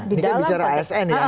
ini kan bicara asn ya